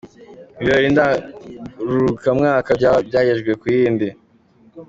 Ibirori ngarukamwaka bya byagejejwe ku yindi.